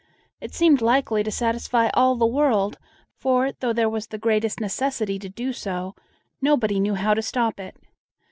It seemed likely to satisfy all the world, for, though there was the greatest necessity to do so, nobody knew how to stop it.